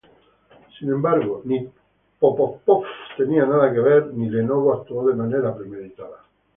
Sin embargo, ni Microsoft tenía nada que ver, ni Lenovo actuó de manera premeditada.